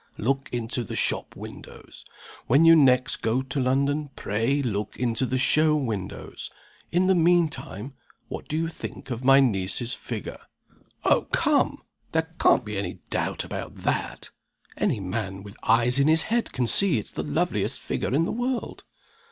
Look into the shop windows. When you next go to London pray look into the show windows. In the mean time, what do you think of my niece's figure?" "Oh, come! there can't be any doubt about that! Any man, with eyes in his head, can see it's the loveliest figure in the world."